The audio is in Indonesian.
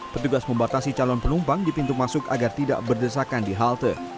petugas membatasi calon penumpang di pintu masuk agar tidak berdesakan di halte